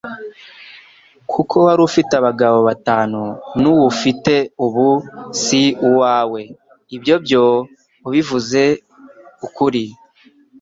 kuko wari ufite abagabo batanu, n'wo ufite ubu si uwawe. Ibyo byo ubivuze ukuri."